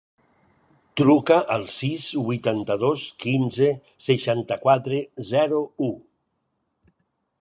Truca al sis, vuitanta-dos, quinze, seixanta-quatre, zero, u.